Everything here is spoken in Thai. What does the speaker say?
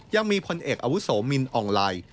ยังมีผลเอกอาวุศมินออนไลน์